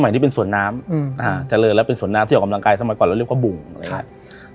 สมัยนี้เป็นสวนน้ำอืมอ่าเจริญแล้วเป็นสวนน้ำที่ออกกำลังกายทำไมก่อนเราเรียกว่าบุงครับ